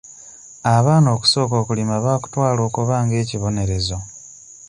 Abaana okusooka okulima baakutwala okuba nga ekibonerezo.